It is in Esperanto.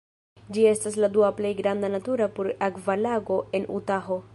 Ĝi estas la dua plej granda natura pur-akva lago en Utaho.